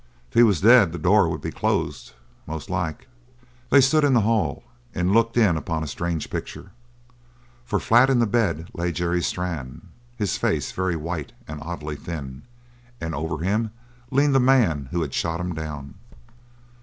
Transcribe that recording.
If he was dead the door would be closed, most like." They stood in the hall and looked in upon a strange picture, for flat in the bed lay Jerry Strann, his face very white and oddly thin, and over him leaned the man who had shot him down.